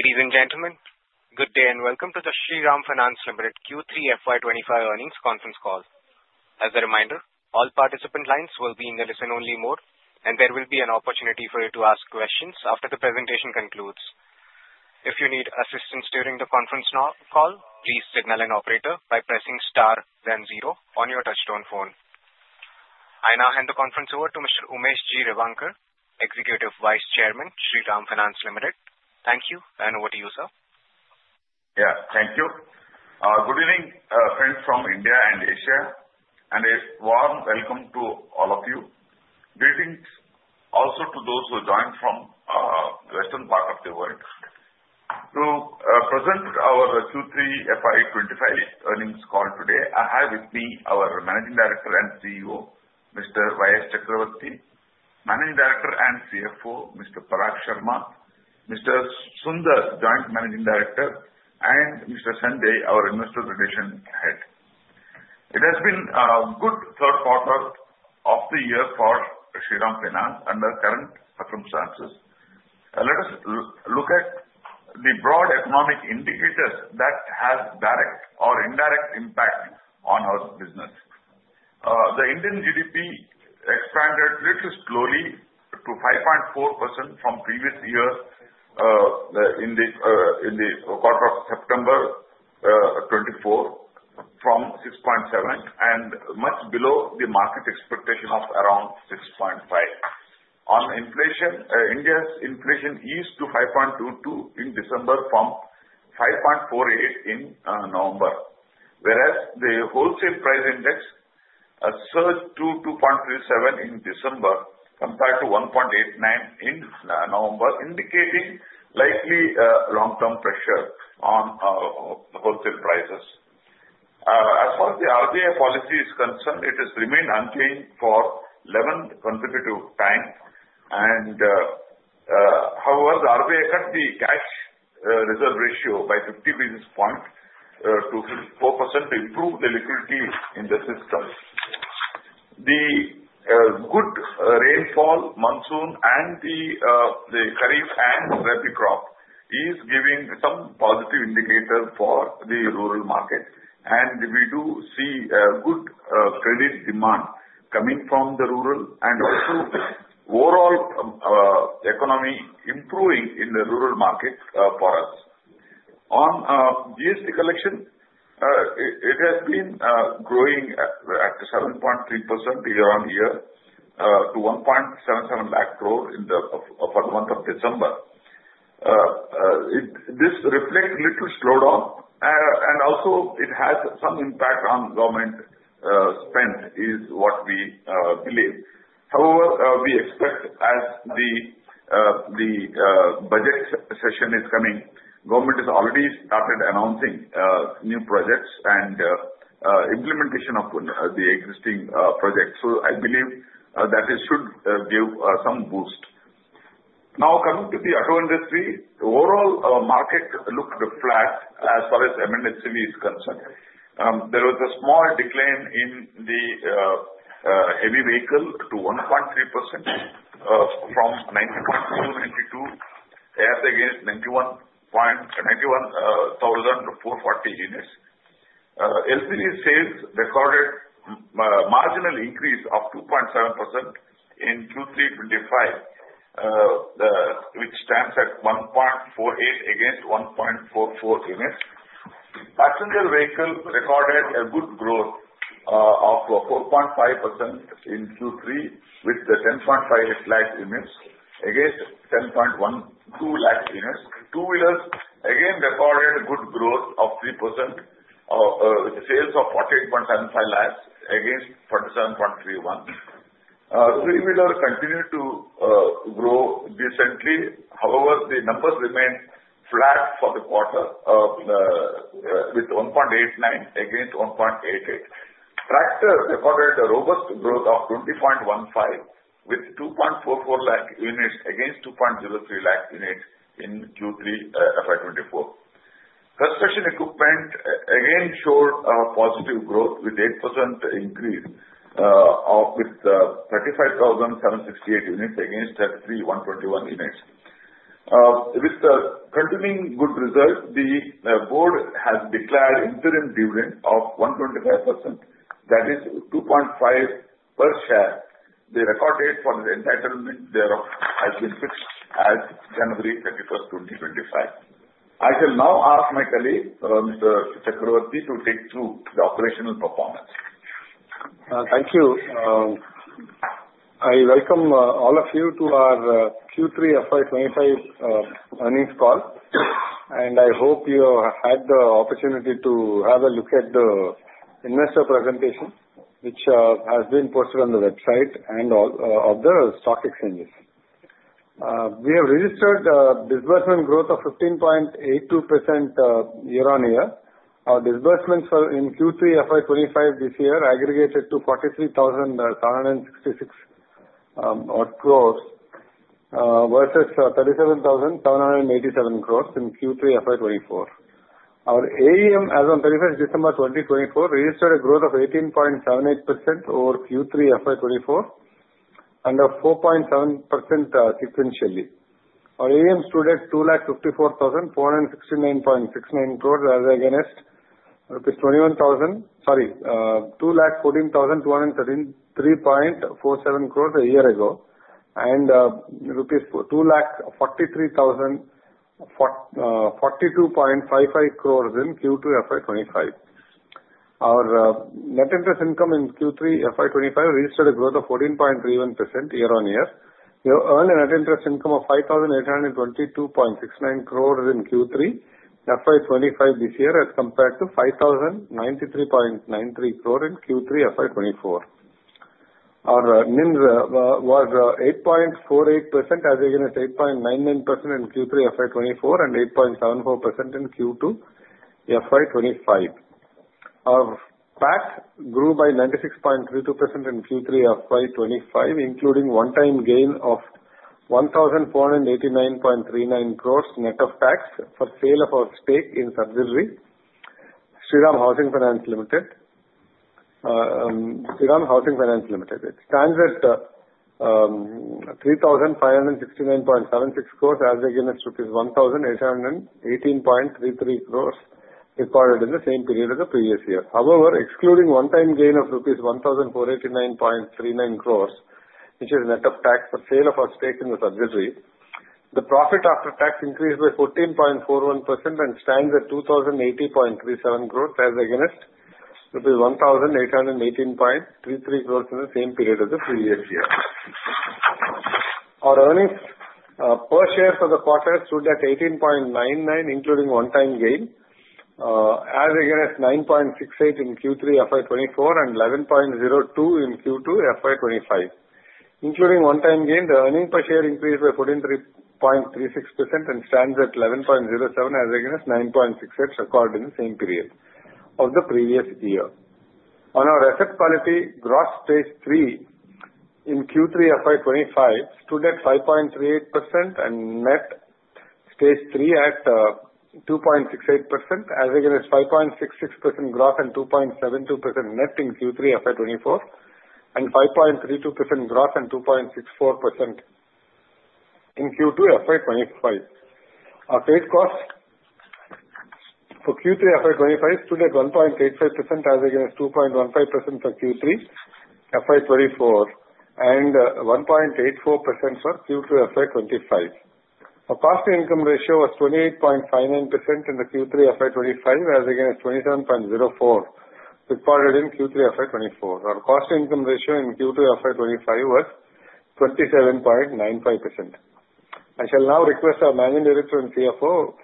Ladies and gentlemen, good day and welcome to the Shriram Finance Limited Q3 FY 2025 earnings conference call. As a reminder, all participant lines will be in the listen-only mode, and there will be an opportunity for you to ask questions after the presentation concludes. If you need assistance during the conference call, please signal an operator by pressing star, then zero on your touchtone phone. I now hand the conference over to Mr. Umesh G. Revankar, Executive Vice Chairman, Shriram Finance Limited. Thank you, and over to you, sir. Yeah, thank you. Good evening, friends from India and Asia, and a warm welcome to all of you. Greetings also to those who joined from the western part of the world. To present our Q3 FY 2025 earnings call today, I have with me our Managing Director and CEO, Mr. Y.S. Chakravarti, Managing Director and CFO, Mr. Parag Sharma, Mr. S. Sunder, Joint Managing Director, and Mr. Sanjay Mundra, our Investor Relations Head. It has been a good third quarter of the year for Shriram Finance under current circumstances. Let us look at the broad economic indicators that have direct or indirect impact on our business. The Indian GDP expanded little slowly to 5.4% from previous year in the quarter of September 2024 from 6.7% and much below the market expectation of around 6.5%. On inflation, India's inflation eased to 5.22% in December from 5.48% in November, whereas the wholesale price index surged to 2.37% in December compared to 1.89% in November, indicating likely long-term pressure on wholesale prices. As far as the RBI policy is concerned, it has remained unchanged for 11 consecutive times. However, the RBI cut the Cash Reserve Ratio by 50 basis points to 4% to improve the liquidity in the system. The good rainfall monsoon and the Kharif and Rabi crop is giving some positive indicators for the rural market, and we do see good credit demand coming from the rural and also overall economy improving in the rural market for us. On GST collection, it has been growing at 7.3% year-on-year to 1.77 lakh crore for the month of December. This reflects little slowdown, and also it has some impact on government spending is what we believe. However, we expect as the budget session is coming, government has already started announcing new projects and implementation of the existing projects. So I believe that it should give some boost. Now coming to the auto industry, overall market looked flat as far as M&HCV is concerned. There was a small decline in the heavy vehicle to 1.3% from 91,292 as against 91,440 units. LCV sales recorded marginal increase of 2.7% in Q3 2025, which stands at 1.48 against 1.44 units. Passenger vehicle recorded a good growth of 4.5% in Q3 with the 10.5 lakh units against 10.2 lakh units. Two-wheelers again recorded a good growth of 3%, sales of 48.75 lakhs against 47.31. Three-wheelers continued to grow decently. However, the numbers remained flat for the quarter with 1.89 against 1.88. Tractors recorded a robust growth of 20.15% with 2.44 lakh units against 2.03 lakh units in Q3 FY 2024. Construction equipment again showed a positive growth with 8% increase with 35,768 units against 33,121 units. With the continuing good results, the board has declared interim dividend of 125%, that is 2.5% per share. The record date for the entitlement thereof has been fixed as January 31st, 2025. I shall now ask my colleague, Mr. Chakravarti, to take through the operational performance. Thank you. I welcome all of you to our Q3 FY 2025 earnings call, and I hope you have had the opportunity to have a look at the investor presentation, which has been posted on the website and other stock exchanges. We have registered a disbursement growth of 15.82% year-on-year. Our disbursements in Q3 FY 2025 this year aggregated to 43,766 crores versus 37,787 crores in Q3 FY 2024. Our AUM, as of 31st December 2024, registered a growth of 18.78% over Q3 FY 2024 and a 4.7% sequentially. Our AUM stood at INR 2,54,469.69 crores as against 2,14,213.47 crores a year ago and INR 2,43,042.55 crores in Q2 FY 2025. Our net interest income in Q3 FY 2025 registered a growth of 14.31% year-on-year. We earned a net interest income of 5,822.69 crores in Q3 FY 2025 this year as compared to 5,093.93 crores in Q3 FY 2024. Our NIM was 8.48% as against 8.99% in Q3 FY 2024 and 8.74% in Q2 FY 2025. Our PAT grew by 96.32% in Q3 FY 2025, including one-time gain of 1,489.39 crores net of tax for sale of our stake in subsidiary, Shriram Housing Finance Limited. It stands at 3,569.76 crores as against rupees 1,818.33 crores recorded in the same period as the previous year. However, excluding one-time gain of rupees 1,489.39 crores, which is net of tax for sale of our stake in the subsidiary, the profit after tax increased by 14.41% and stands at 2,080.37 crores as against rupees 1,818.33 crores in the same period as the previous year. Our earnings per share for the quarter stood at 18.99, including one-time gain, as against 9.68 in Q3 FY 2024 and 11.02 in Q2 FY 2025. Including one-time gain, the earnings per share increased by 14.36% and stands at 11.07 as against 9.68 recorded in the same period of the previous year. On our asset quality, Gross Stage 3 in Q3 FY 2025 stood at 5.38% and Net Stage 3 at 2.68% as against 5.66% gross and 2.72% net in Q3 FY 2024 and 5.32% gross and 2.64% in Q2 FY 2025. Our credit cost for Q3 FY 2025 stood at 1.85% as against 2.15% for Q3 FY 2024 and 1.84% for Q2 FY 2025. Our cost-to-income ratio was 28.59% in the Q3 FY 2025 as against 27.04% recorded in Q3 FY 2024. Our cost-to-income ratio in Q2 FY 2025 was 27.95%. I shall now request our Managing Director and CFO,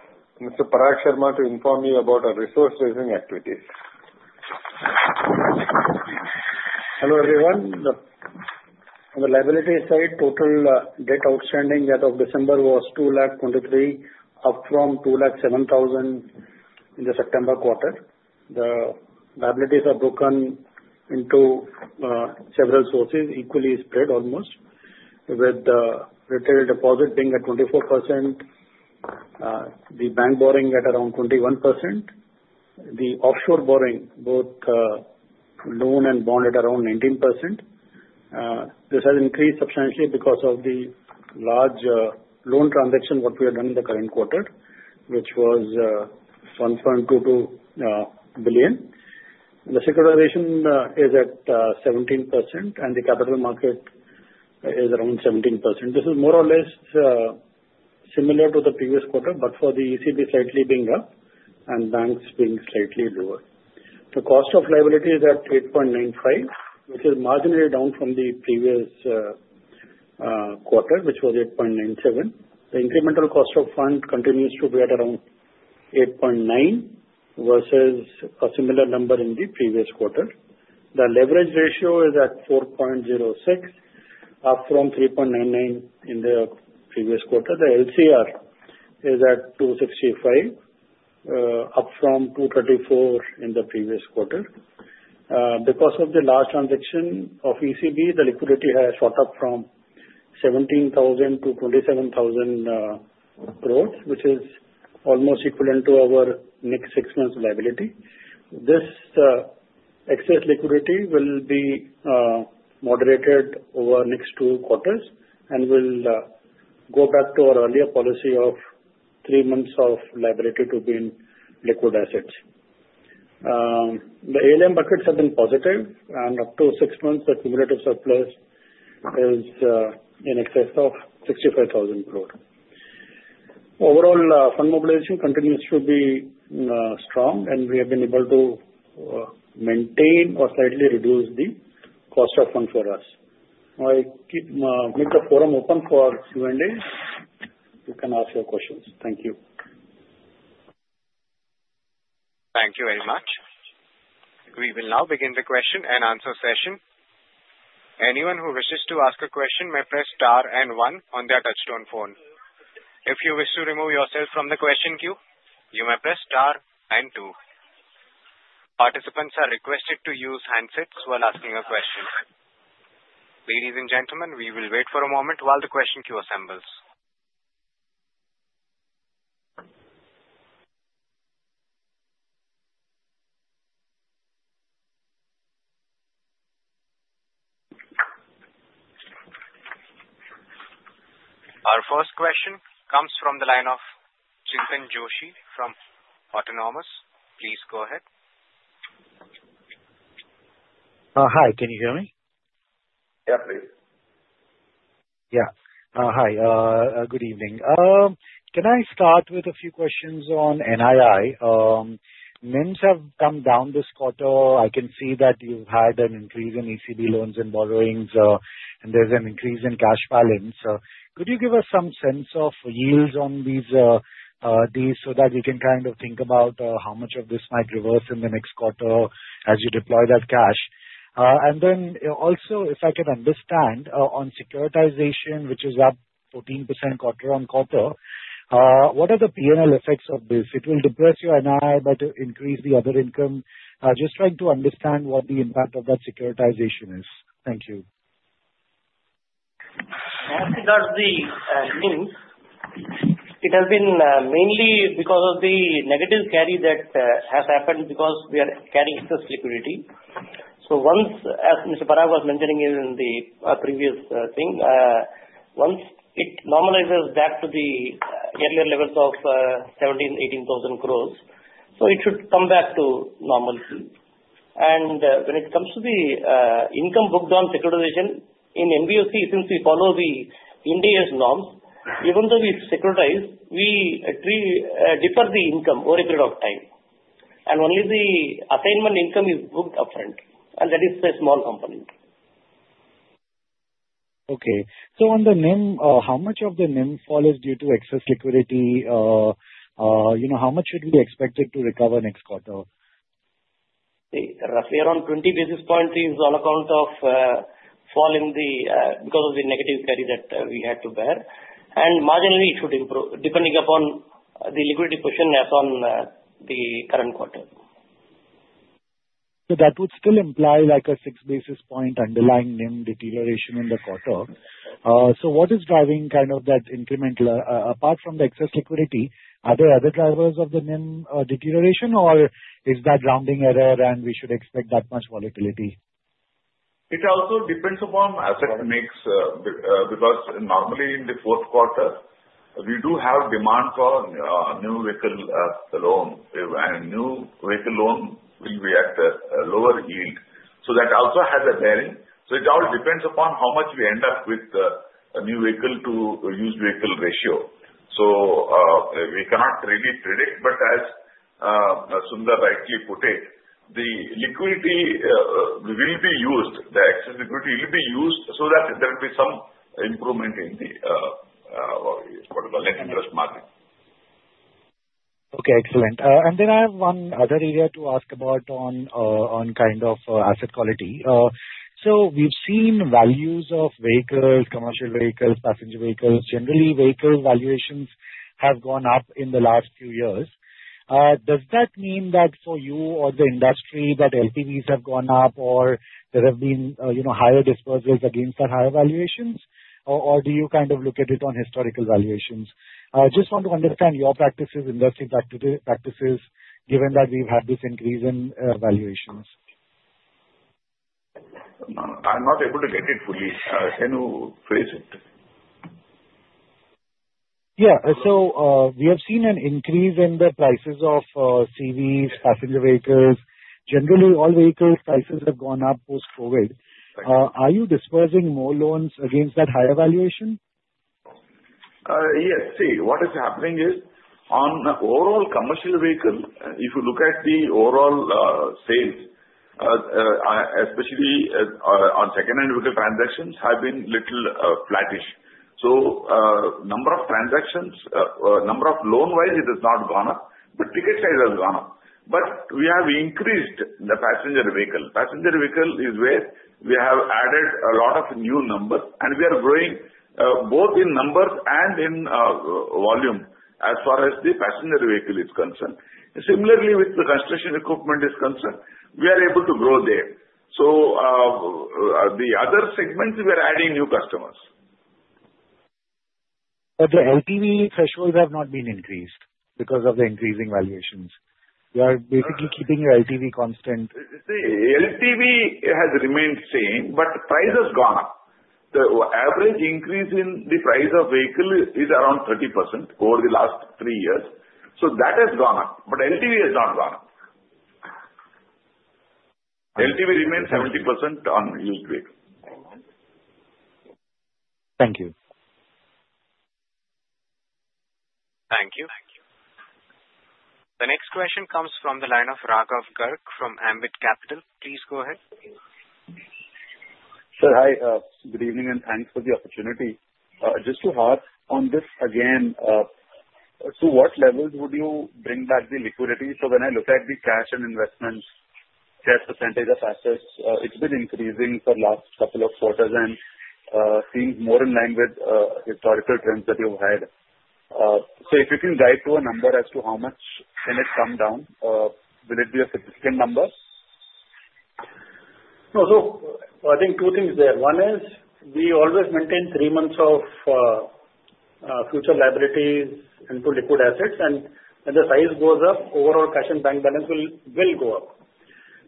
Mr. Parag Sharma, to inform you about our resource raising activities. Hello everyone. On the liability side, total debt outstanding as of December was 2,023, up from 2,007,000 in the September quarter. The liabilities are broken into several sources, equally spread almost, with the retail deposit being at 24%, the bank borrowing at around 21%, the offshore borrowing, both loan and bond, at around 19%. This has increased substantially because of the large loan transaction what we have done in the current quarter, which was $1.22 billion. The securitization is at 17%, and the capital market is around 17%. This is more or less similar to the previous quarter, but for the ECB slightly being up and banks being slightly lower. The cost of liability is at 8.95, which is marginally down from the previous quarter, which was 8.97. The incremental cost of fund continues to be at around 8.9 versus a similar number in the previous quarter. The leverage ratio is at 4.06, up from 3.99 in the previous quarter. The LCR is at 265%, up from 234% in the previous quarter. Because of the large transaction of ECB, the liquidity has shot up from 17,000 crores to 27,000 crores, which is almost equivalent to our next six months' liability. This excess liquidity will be moderated over next two quarters and will go back to our earlier policy of three months of liability to be in liquid assets. The ALM buckets have been positive, and up to six months, the cumulative surplus is in excess of 65,000 crores. Overall, fund mobilization continues to be strong, and we have been able to maintain or slightly reduce the cost of fund for us. I keep the forum open for Q&A. You can ask your questions. Thank you. Thank you very much. We will now begin the question-and-answer session. Anyone who wishes to ask a question may press star and one on their touch-tone phone. If you wish to remove yourself from the question queue, you may press star and two. Participants are requested to use handsets while asking a question. Ladies and gentlemen, we will wait for a moment while the question queue assembles. Our first question comes from the line of Chintan Joshi from Autonomous. Please go ahead. Hi. Can you hear me? Yeah, please. Yeah. Hi. Good evening. Can I start with a few questions on NII? NIMs have come down this quarter. I can see that you've had an increase in ECB loans and borrowings, and there's an increase in cash balance. Could you give us some sense of yields on these so that we can kind of think about how much of this might reverse in the next quarter as you deploy that cash? And then also, if I can understand, on securitization, which is up 14% quarter on quarter, what are the P&L effects of this? It will depress your NII, but increase the other income. Just trying to understand what the impact of that securitization is. Thank you. As regards the NIM, it has been mainly because of the negative carry that has happened because we are carrying excess liquidity. So once, as Mr. Parag was mentioning in the previous thing, once it normalizes back to the earlier levels of 17,000-18,000 crores, so it should come back to normalcy. And when it comes to the income booked on securitization in NBFC, since we follow the Ind AS norms, even though we securitize, we defer the income over a period of time. And only the assignment income is booked upfront, and that is a small component. Okay. So on the NIM, how much of the NIM fall is due to excess liquidity? How much should we expect it to recover next quarter? Roughly around 20 basis points is all on account of the fall in the NIM because of the negative carry that we had to bear. Marginally, it should improve depending upon the liquidity position as on the current quarter. So that would still imply like a six basis point underlying NIM deterioration in the quarter. So what is driving kind of that incremental? Apart from the excess liquidity, are there other drivers of the NIM deterioration, or is that rounding error and we should expect that much volatility? It also depends upon asset mix because normally in the fourth quarter, we do have demand for new vehicle loan, and new vehicle loan will be at a lower yield. So that also has a bearing. So it all depends upon how much we end up with a new vehicle to used vehicle ratio. So we cannot really predict, but as Sunder rightly put it, the liquidity will be used, the excess liquidity will be used so that there will be some improvement in the net interest margin. Okay. Excellent. And then I have one other area to ask about on kind of asset quality. So we've seen values of vehicles, commercial vehicles, passenger vehicles. Generally, vehicle valuations have gone up in the last few years. Does that mean that for you or the industry that LTVs have gone up or there have been higher disbursements against that higher valuations, or do you kind of look at it on historical valuations? Just want to understand your practices, industry practices, given that we've had this increase in valuations. I'm not able to get it fully. Can you phrase it? Yeah, so we have seen an increase in the prices of CVs, passenger vehicles. Generally, all vehicle prices have gone up post-COVID. Are you disbursing more loans against that higher valuation? Yes. See, what is happening is on the overall commercial vehicle, if you look at the overall sales, especially on second-hand vehicle transactions, have been a little flattish. So number of transactions, number of loan-wise, it has not gone up, but ticket size has gone up. But we have increased the passenger vehicle. Passenger vehicle is where we have added a lot of new numbers, and we are growing both in numbers and in volume as far as the passenger vehicle is concerned. Similarly, with the construction equipment is concerned, we are able to grow there. So the other segments, we are adding new customers. But the LTV thresholds have not been increased because of the increasing valuations. You are basically keeping your LTV constant. The LTV has remained same, but price has gone up. The average increase in the price of vehicle is around 30% over the last three years. So that has gone up, but LTV has not gone up. LTV remains 70% on used vehicles. Thank you. Thank you. The next question comes from the line of Raghav Garg from Ambit Capital. Please go ahead. Sir, hi. Good evening and thanks for the opportunity. Just to harp on this again, to what levels would you bring back the liquidity? So when I look at the cash and investments, cash percentage of assets, it's been increasing for the last couple of quarters and seems more in line with historical trends that you've had. So if you can guide to a number as to how much can it come down, will it be a significant number? No, no. I think two things there. One is we always maintain three months of future liabilities into liquid assets, and when the size goes up, overall cash and bank balance will go up.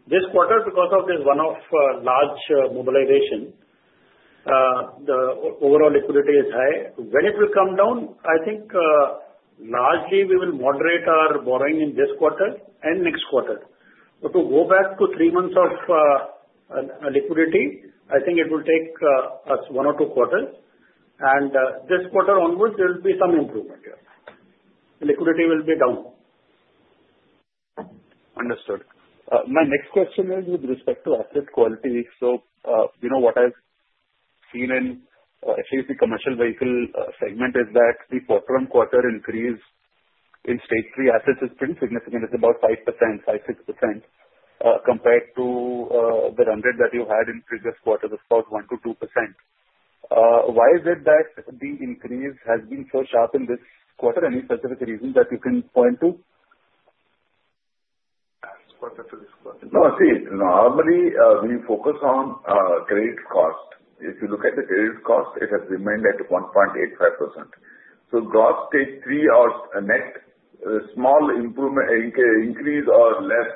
This quarter, because of this one-off large mobilization, the overall liquidity is high. When it will come down, I think largely we will moderate our borrowing in this quarter and next quarter. But to go back to three months of liquidity, I think it will take us one or two quarters. And this quarter onwards, there will be some improvement here. Liquidity will be down. Understood. My next question is with respect to asset quality. So what I've seen in, especially the commercial vehicle segment, is that the quarter-on-quarter increase in stage three assets is pretty significant. It's about 5%-6% compared to the trend that you had in previous quarters, about 1%-2%. Why is it that the increase has been so sharp in this quarter? Any specific reason that you can point to? No, see, normally we focus on credit cost. If you look at the credit cost, it has remained at 1.85%. So Gross Stage 3 or Net Stage 3, small increase or less,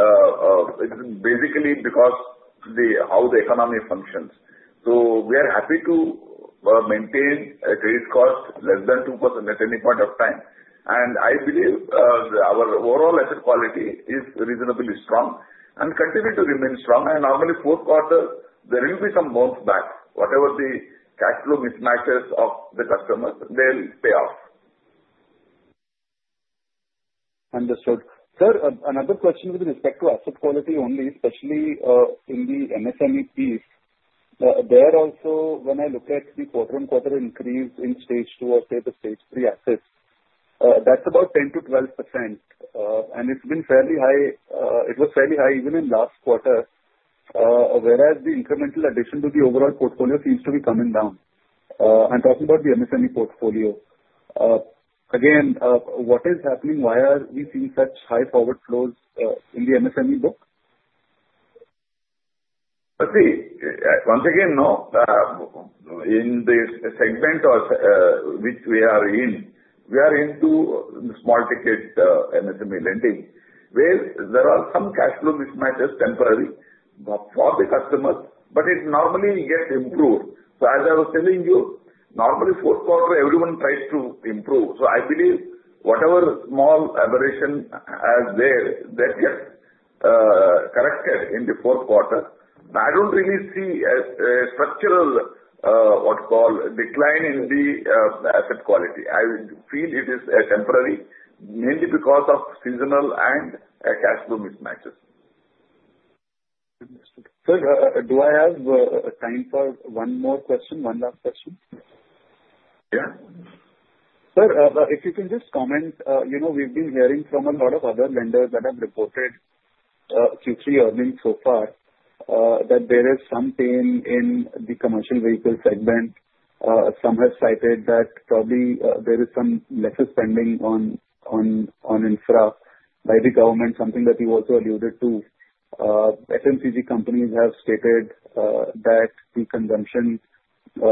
it is basically because of how the economy functions. So we are happy to maintain a credit cost less than 2% at any point of time. And I believe our overall asset quality is reasonably strong and continues to remain strong. And normally fourth quarter, there will be some bounce back. Whatever the cash flow mismatches of the customers, they'll pay off. Understood. Sir, another question with respect to asset quality only, especially in the MSME piece. There also, when I look at the quarter-on-quarter increase in stage two or say the stage three assets, that's about 10%-12%. And it's been fairly high. It was fairly high even in last quarter, whereas the incremental addition to the overall portfolio seems to be coming down. I'm talking about the MSME portfolio. Again, what is happening? Why are we seeing such high forward flows in the MSME book? See, once again, no. In the segment which we are in, we are into small ticket MSME lending, where there are some cash flow mismatches temporarily for the customers, but it normally gets improved. So as I was telling you, normally fourth quarter, everyone tries to improve. So I believe whatever small aberration has there, that gets corrected in the fourth quarter. But I don't really see a structural, what you call, decline in the asset quality. I feel it is temporary, mainly because of seasonal and cash flow mismatches. Understood. Sir, do I have time for one more question, one last question? Yeah. Sir, if you can just comment, we've been hearing from a lot of other lenders that have reported Q3 earnings so far that there is some pain in the commercial vehicle segment. Some have cited that probably there is some lesser spending on infra by the government, something that you also alluded to. FMCG companies have stated that the consumption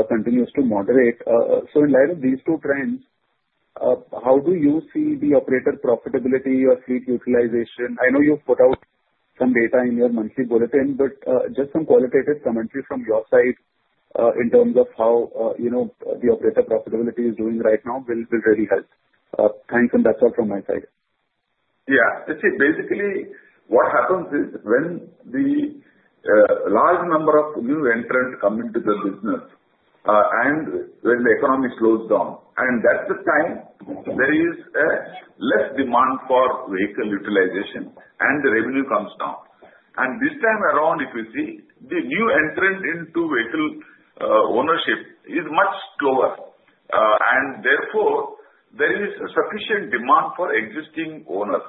continues to moderate. So in light of these two trends, how do you see the operator profitability or fleet utilization? I know you've put out some data in your monthly bulletin, but just some qualitative commentary from your side in terms of how the operator profitability is doing right now will really help. Thanks, and that's all from my side. Yeah. See, basically what happens is when the large number of new entrants come into the business and when the economy slows down, and that's the time there is less demand for vehicle utilization and the revenue comes down. And this time around, if you see, the new entrant into vehicle ownership is much slower. And therefore, there is sufficient demand for existing owners.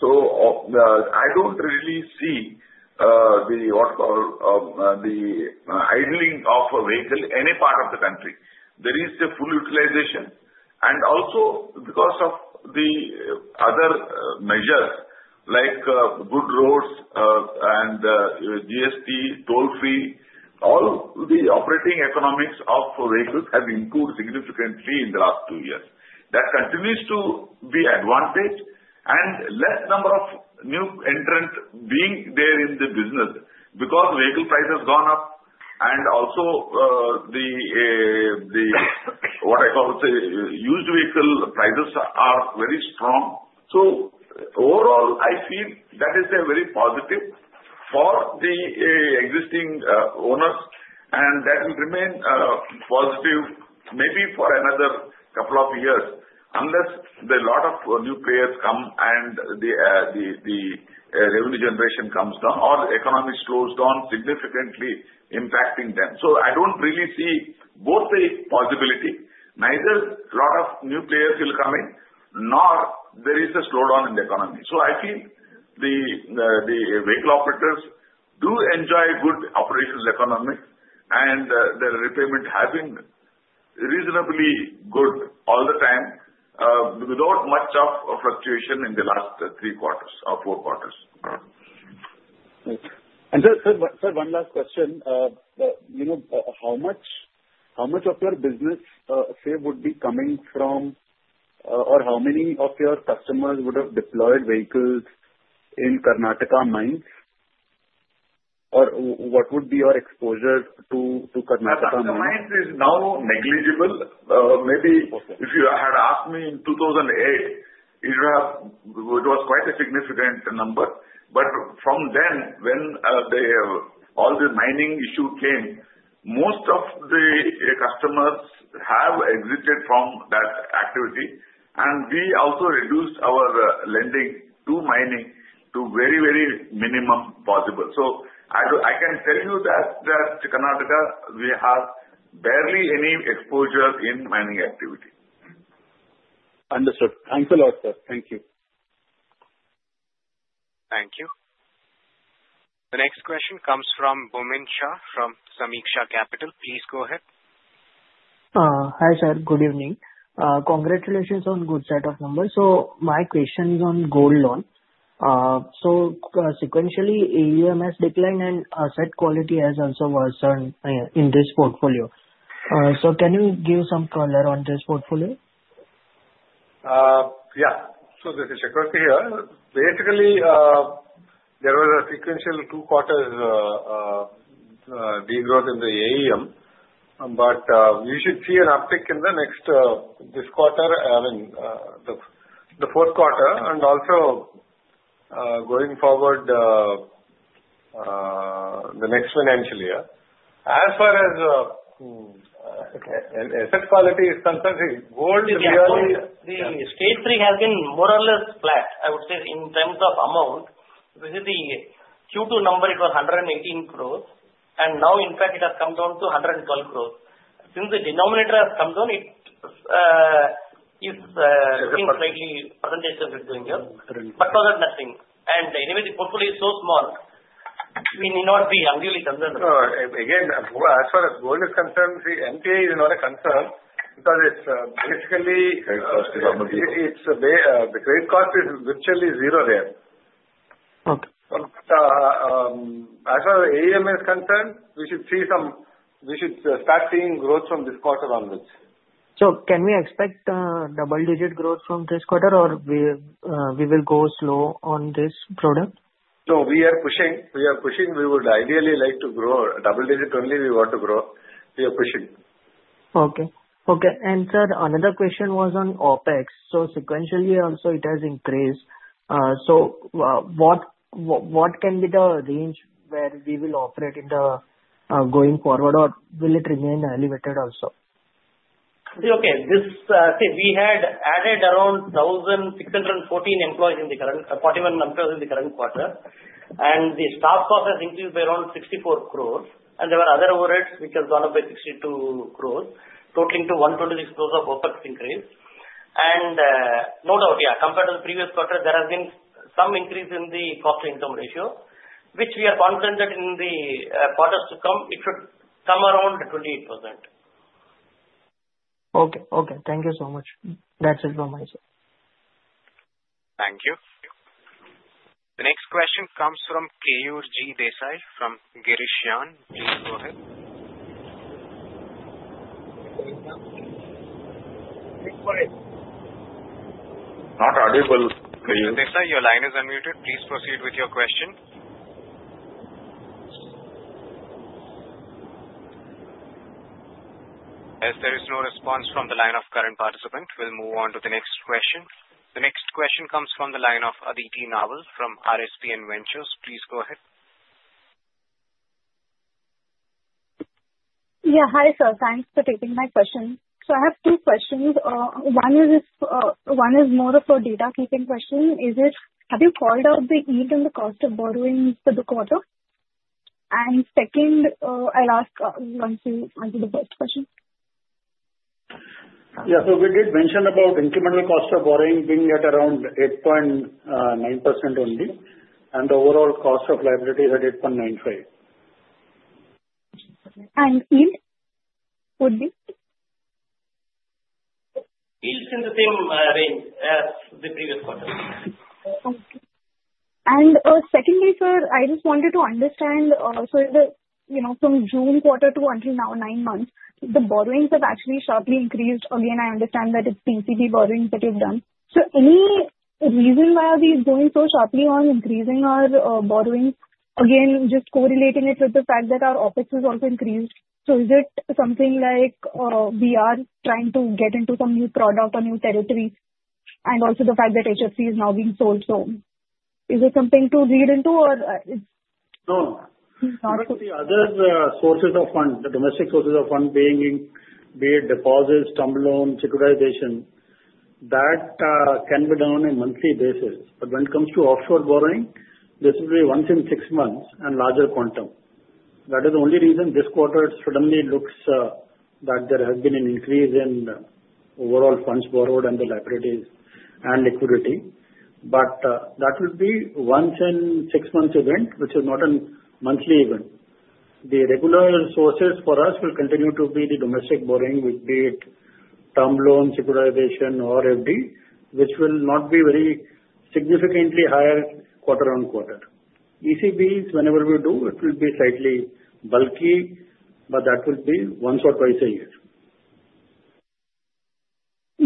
So I don't really see the idling of a vehicle in any part of the country. There is the full utilization. And also because of the other measures like good roads and GST, toll-free, all the operating economics of vehicles have improved significantly in the last two years. That continues to be an advantage and less number of new entrants being there in the business because vehicle prices have gone up. And also the, what I call, used vehicle prices are very strong. So overall, I feel that is a very positive for the existing owners, and that will remain positive maybe for another couple of years unless a lot of new players come and the revenue generation comes down or the economy slows down significantly impacting them. So I don't really see both the possibility. Neither a lot of new players will come in, nor there is a slowdown in the economy. So I feel the vehicle operators do enjoy good operational economics, and their repayment has been reasonably good all the time without much of fluctuation in the last three quarters or four quarters. Sir, one last question. How much of your business, say, would be coming from, or how many of your customers would have deployed vehicles in Karnataka Mines? Or what would be your exposure to Karnataka Mines? Karnataka Mines is now negligible. Maybe if you had asked me in 2008, it was quite a significant number. But from then, when all the mining issue came, most of the customers have exited from that activity. And we also reduced our lending to mining to very, very minimum possible. So I can tell you that Karnataka, we have barely any exposure in mining activity. Understood. Thanks a lot, sir. Thank you. Thank you. The next question comes from Bhavin Shah from Sameeksha Capital. Please go ahead. Hi, sir. Good evening. Congratulations on good set of numbers. So my question is on gold loan. So sequentially, AUM has declined and asset quality has also worsened in this portfolio. So can you give some color on this portfolio? Yeah, so this is Chakravarti. Basically, there was a sequential two quarters degrowth in the AUM, but we should see an uptick in the next quarter, I mean, the fourth quarter, and also going forward the next financial year. As far as asset quality is concerned, gold is really. The Stage 3 has been more or less flat, I would say, in terms of amount. Q2 number, it was 118 crores, and now, in fact, it has come down to 112 crores. Since the denominator has come down, it is looking slightly percentage-wise going up, but for that, nothing. And anyway, the portfolio is so small, it may not be unduly concerned. Again, as far as gold is concerned, the NPA is not a concern because it's basically, the credit cost is virtually zero there. But as far as AUM is concerned, we should start seeing growth from this quarter onwards. So can we expect double-digit growth from this quarter, or we will go slow on this product? No, we are pushing. We are pushing. We would ideally like to grow double-digit only. We want to grow. We are pushing. And sir, another question was on OpEx. So sequentially, also it has increased. So what can be the range where we will operate in going forward, or will it remain elevated also? Okay. See, we had added around 1,614 employees in the current, 41 employees in the current quarter. And the staff cost has increased by around 64 crores. And there were other overheads which have gone up by 62 crores, totaling to 126 crores of OpEx increase. And no doubt, yeah, compared to the previous quarter, there has been some increase in the cost-to-income ratio, which we are confident that in the quarters to come, it should come around 28%. Okay. Okay. Thank you so much. That's it from my side. Thank you. The next question comes from Karan Desai from Asian Market Securities. Please go ahead. Not audible. Desai, your line is unmuted. Please proceed with your question. As there is no response from the line of current participant, we'll move on to the next question. The next question comes from the line of Aditi Naval from RSPN Ventures. Please go ahead. Yeah. Hi sir. Thanks for taking my question. So I have two questions. One is more of a data-keeping question. Have you called out the EAT and the cost of borrowing for the quarter? And second, I'll ask once you answer the first question. Yeah. So we did mention about incremental cost of borrowing being at around 8.9% only, and the overall cost of liability is at 8.95%. And EAT would be? PAT's in the same range as the previous quarter. Okay. And secondly, sir, I just wanted to understand, so from June quarter to until now, nine months, the borrowings have actually sharply increased. Again, I understand that it's ECB borrowings that you've done. So any reason why are we going so sharply on increasing our borrowings? Again, just correlating it with the fact that our OpEx has also increased. So is it something like we are trying to get into some new product or new territory? And also the fact that HFC is now being sold, so is it something to read into, or it's? No. What about the other sources of fund, the domestic sources of fund being be it deposits, term loans, securitization? That can be done on a monthly basis. But when it comes to offshore borrowing, this will be once in six months and larger quantum. That is the only reason this quarter suddenly looks that there has been an increase in overall funds borrowed and the liabilities and liquidity. But that will be once in six months event, which is not a monthly event. The regular sources for us will continue to be the domestic borrowing, be it term loans, securitization, or FD, which will not be very significantly higher quarter on quarter. ECBs, whenever we do, it will be slightly bulky, but that will be once or twice a year.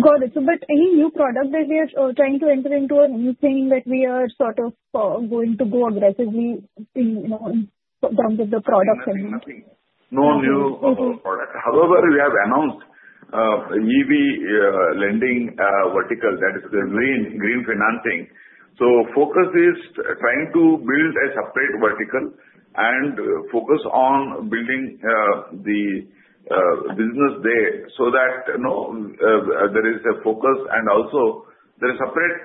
Got it. But any new product that we are trying to enter into or anything that we are sort of going to go aggressively in terms of the products? No, no new product. However, we have announced EV lending vertical, that is Green Financing. So focus is trying to build a separate vertical and focus on building the business there so that there is a focus and also there is separate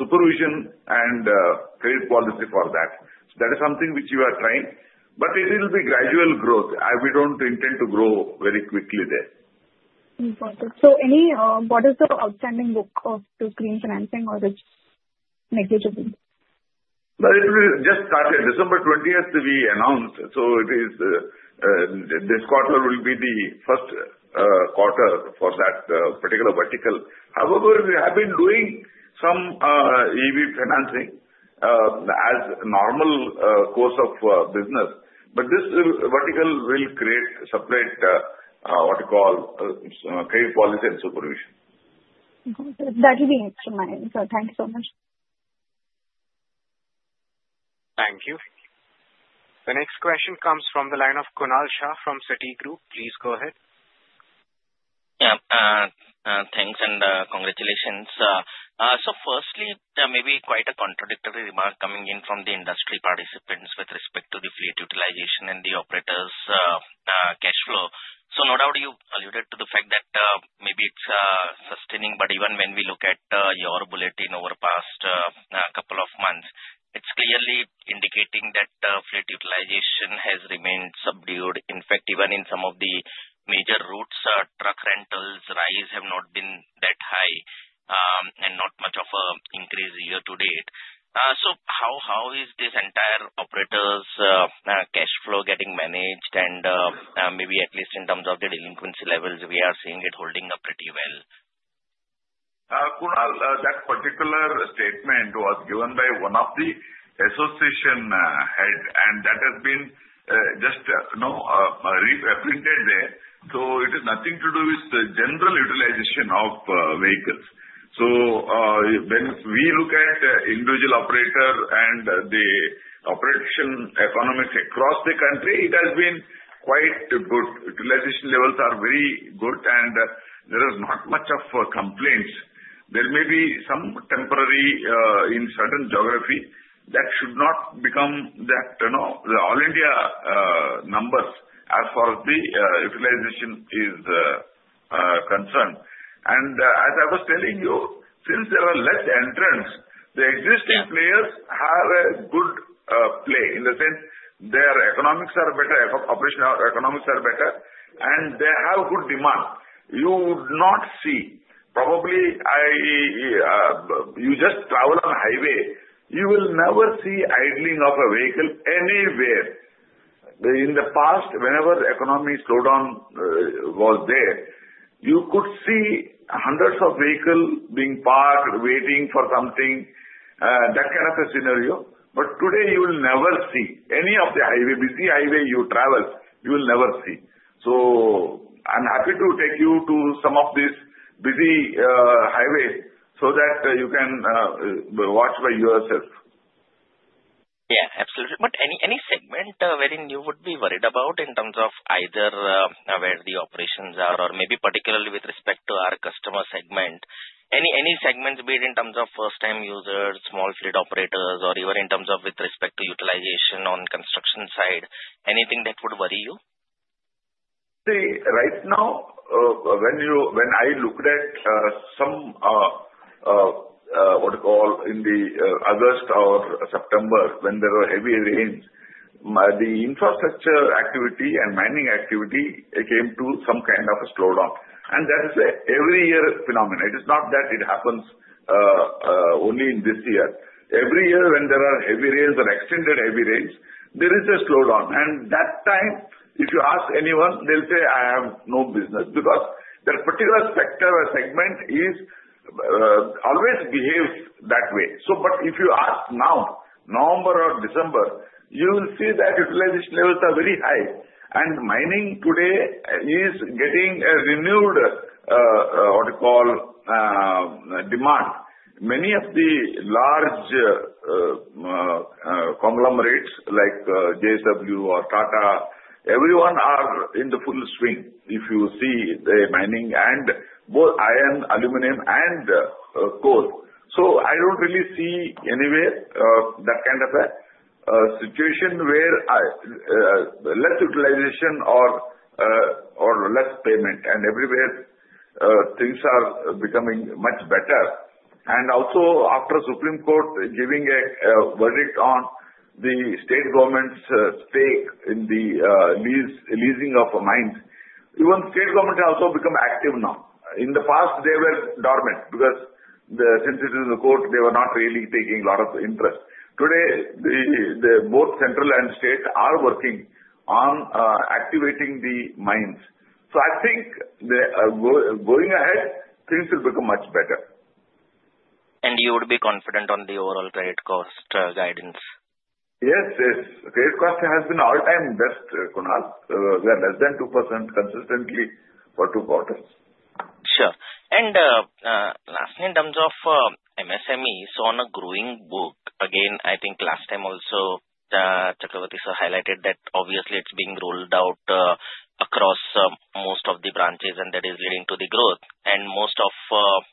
supervision and credit policy for that. So that is something which we are trying. But it will be gradual growth. We don't intend to grow very quickly there. Got it. So what is the outstanding book of Green Financing, or it's negligible? It just started. December 20th, we announced. So this quarter will be the first quarter for that particular vertical. However, we have been doing some EV financing as normal course of business. But this vertical will create separate, what you call, credit policy and supervision. That will be next to mine. So thanks so much. Thank you. The next question comes from the line of Kunal Shah from Citigroup. Please go ahead. Yeah. Thanks and congratulations. So firstly, maybe quite a contradictory remark coming in from the industry participants with respect to the fleet utilization and the operators' cash flow. So no doubt you alluded to the fact that maybe it's sustaining, but even when we look at your bulletin over the past couple of months, it's clearly indicating that fleet utilization has remained subdued. In fact, even in some of the major routes, truck rentals' rise have not been that high and not much of an increase year to date. So how is this entire operators' cash flow getting managed? And maybe at least in terms of the delinquency levels, we are seeing it holding up pretty well. Kunal, that particular statement was given by one of the association heads, and that has been just reprinted there. So it has nothing to do with the general utilization of vehicles. So when we look at individual operators and the operation economics across the country, it has been quite good. Utilization levels are very good, and there are not much of complaints. There may be some temporary in certain geography that should not become that. All India numbers as far as the utilization is concerned. And as I was telling you, since there are less entrants, the existing players have a good play in the sense their economics are better, operational economics are better, and they have good demand. You would not see, probably you just travel on the highway, you will never see idling of a vehicle anywhere. In the past, whenever economic slowdown was there, you could see hundreds of vehicles being parked, waiting for something, that kind of a scenario. But today, you will never see any of the busy highway you travel. You will never see. So I'm happy to take you to some of these busy highways so that you can watch by yourself. Yeah, absolutely. But any segment wherein you would be worried about in terms of either where the operations are or maybe particularly with respect to our customer segment? Any segment be it in terms of first-time users, small fleet operators, or even in terms of with respect to utilization on construction side? Anything that would worry you? See, right now, when I looked at some, what you call, in the August or September when there were heavy rains, the infrastructure activity and mining activity came to some kind of a slowdown. And that is an every-year phenomenon. It is not that it happens only in this year. Every year when there are heavy rains or extended heavy rains, there is a slowdown. And that time, if you ask anyone, they'll say, "I have no business," because that particular sector or segment always behaves that way. But if you ask now, November or December, you will see that utilization levels are very high. And mining today is getting a renewed, what you call, demand. Many of the large conglomerates like JSW or Tata, everyone are in the full swing, if you see the mining and both iron, aluminum, and coal. So I don't really see anywhere that kind of a situation where less utilization or less payment. And everywhere things are becoming much better. And also, after the Supreme Court giving a verdict on the state government's stake in the leasing of mines, even the state government has also become active now. In the past, they were dormant because since it is in the court, they were not really taking a lot of interest. Today, both central and state are working on activating the mines. So I think going ahead, things will become much better. You would be confident on the overall credit cost guidance? Yes, yes. Credit Cost has been all-time best, Kunal. We are less than 2% consistently for two quarters. Sure. And lastly, in terms of MSMEs, so on a growing book, again, I think last time also, Chakravarti sir highlighted that obviously it's being rolled out across most of the branches, and that is leading to the growth. And most of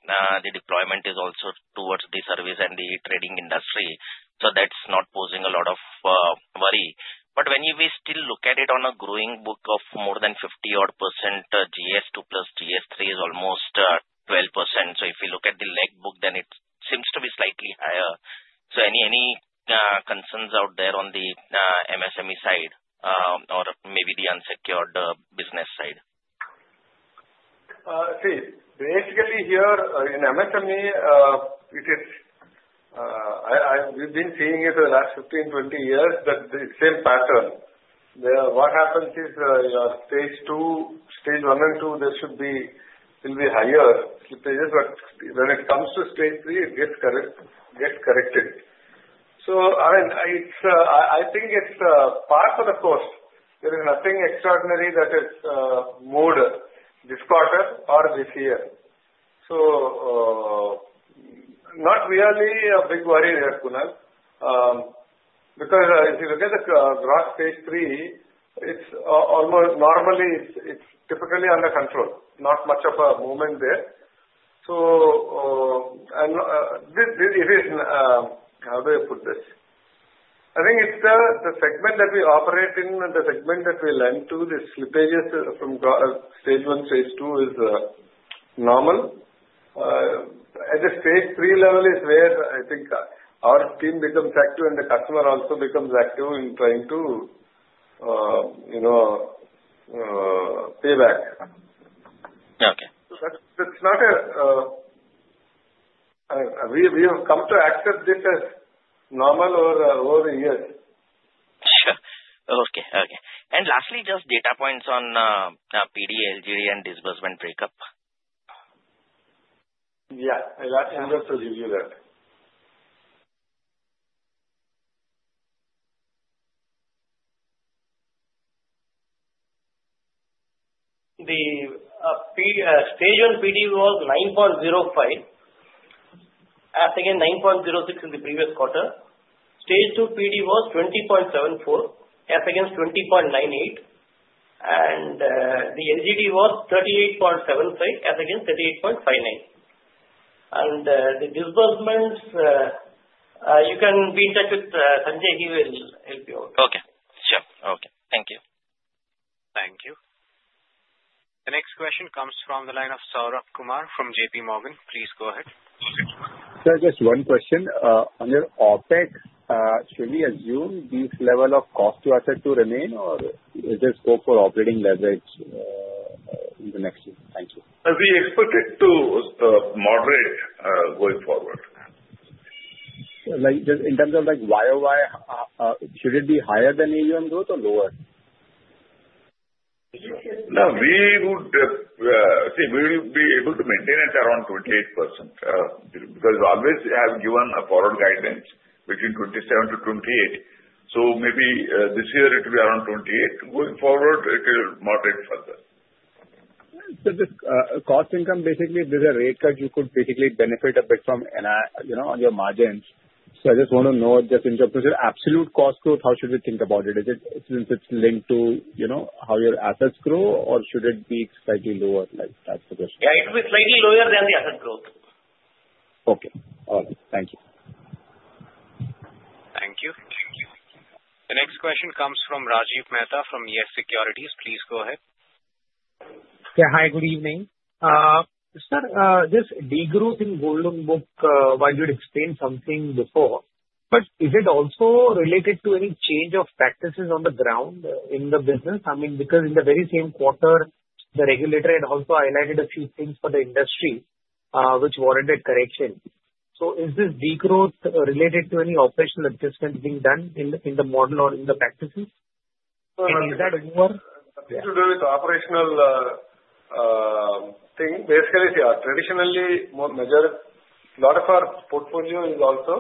the deployment is also towards the service and the trading industry. So that's not posing a lot of worry. But when we still look at it on a growing book of more than 50-odd%, GS2 plus GS3 is almost 12%. So if you look at the legacy book, then it seems to be slightly higher. So any concerns out there on the MSME side or maybe the unsecured business side? See, basically here in MSME, we've been seeing it for the last 15, 20 years, but the same pattern. What happens is your stage two, stage one and two, there should be higher slippages, but when it comes to stage three, it gets corrected. So I think it's part of the course. There is nothing extraordinary that is moved this quarter or this year. So not really a big worry there, Kunal, because if you look at the Gross Stage 3, it's almost normally, it's typically under control, not much of a movement there. So it is, how do I put this? I think it's the segment that we operate in and the segment that we lend to, the slippages from stage one, stage two is normal. At the stage three level is where I think our team becomes active and the customer also becomes active in trying to pay back. Okay. So that's not a way we have come to accept this as normal over the years. Sure. Okay, okay. And lastly, just data points on PD, LGD, and disbursement breakup? Yeah. I'll just review that. The stage one PD was 9.05, as against 9.06 in the previous quarter. Stage two PD was 20.74, as against 20.98. And the LGD was 38.75, as against 38.59. And the disbursements, you can be in touch with Sanjay. He will help you out. Okay. Sure. Okay. Thank you. Thank you. The next question comes from the line of Saurabh Kumar from JP Morgan. Please go ahead. Sir, just one question. On your OpEx, should we assume this level of cost you are set to remain, or is there scope for operating leverage in the next year? Thank you. We expect it to moderate going forward. In terms of YOY, should it be higher than AUM growth or lower? Now, we would see we will be able to maintain it around 28% because we always have given a forward guidance between 27%-28%. So maybe this year it will be around 28%. Going forward, it will moderate further. So just cost income, basically, there's a rate cut you could basically benefit a bit from on your margins. So I just want to know just in terms of your absolute cost growth, how should we think about it? Is it since it's linked to how your assets grow, or should it be slightly lower? That's the question. Yeah, it will be slightly lower than the asset growth. Okay. All right. Thank you. Thank you. The next question comes from Rajiv Mehta from YES Securities. Please go ahead. Yeah. Hi, good evening. Sir, this degrowth in Gold Loan, while you'd explained something before, but is it also related to any change of practices on the ground in the business? I mean, because in the very same quarter, the regulator had also highlighted a few things for the industry which warranted correction. So is this degrowth related to any operational adjustment being done in the model or in the practices? Is that more? It's to do with operational thing. Basically, traditionally, a lot of our portfolio is also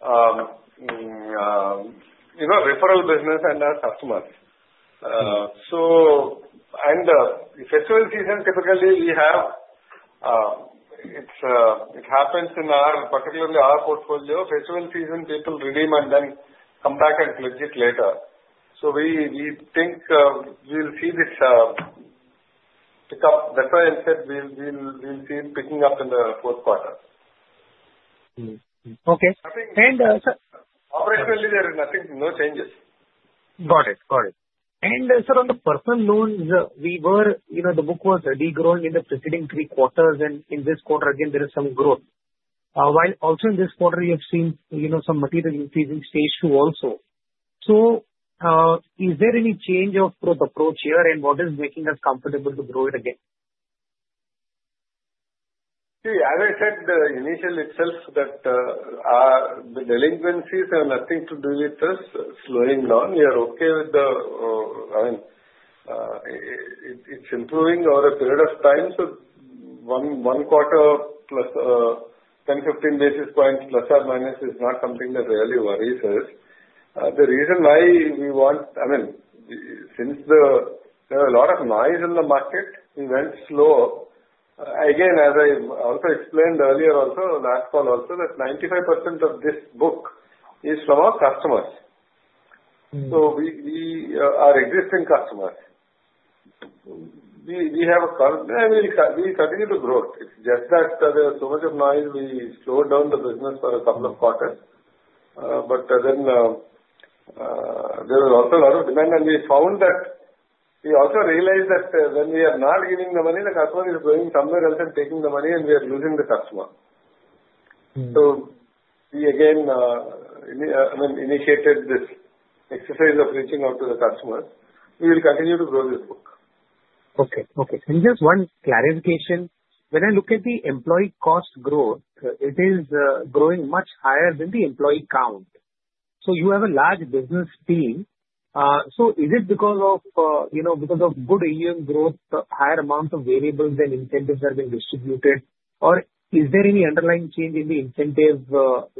referral business and our customers, and the festival season, typically, we have it happens in our particularly our portfolio. Festival season, people redeem and then come back and pledge it later, so we think we'll see this pick up. That's why I said we'll see it picking up in the fourth quarter. Okay. And, sir. Operationally, there is nothing, no changes. Got it. Got it. And, sir, on the personal loans, the book was degrowing in the preceding three quarters, and in this quarter, again, there is some growth. While also in this quarter, you have seen some material increase in stage two also. So is there any change of growth approach here, and what is making us comfortable to grow it again? See, as I said, the initial itself that the delinquencies have nothing to do with us slowing down. We are okay with the, I mean, it's improving over a period of time. So one quarter plus 10-15 basis points plus or minus is not something that really worries us. The reason why we want, I mean, since there was a lot of noise in the market, we went slower. Again, as I also explained earlier, also last call, also that 95% of this book is from our customers. So we are existing customers. We have a continued growth. It's just that there was so much noise, we slowed down the business for a couple of quarters. But then there was also a lot of demand, and we found that we also realized that when we are not giving the money, the customer is going somewhere else and taking the money, and we are losing the customer. So we again, I mean, initiated this exercise of reaching out to the customers. We will continue to grow this book. Okay. Okay. And just one clarification. When I look at the employee cost growth, it is growing much higher than the employee count. So you have a large business team. So is it because of good AUM growth, higher amount of variables and incentives that have been distributed, or is there any underlying change in the incentive